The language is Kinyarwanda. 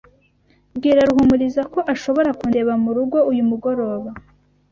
Bwira Ruhumuriza ko ashobora kundeba murugo uyu mugoroba.